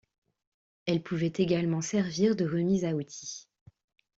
Elle pouvait également servir de remise à outils.